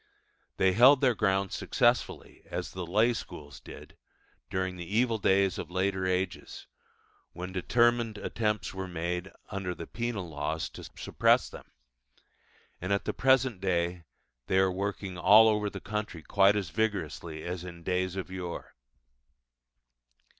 They held their ground successfully as the lay schools did during the evil days of later ages, when determined attempts were made, under the penal laws, to suppress them; and at the present day they are working all over the country quite as vigorously as in days of yore.